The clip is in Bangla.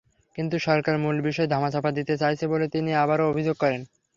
কিন্তু সরকার মূল বিষয় ধামাচাপা দিতে চাইছে বলে তিনি আবারও অভিযোগ করেন।